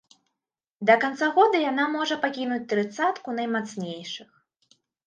Да канца года яна можа пакінуць трыццатку наймацнейшых.